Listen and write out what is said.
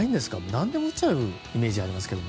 何でも打っちゃうイメージがありますが。